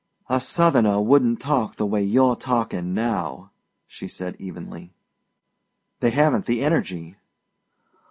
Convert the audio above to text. "A Southerner wouldn't talk the way you're talking now," she said evenly. "They haven't the energy!"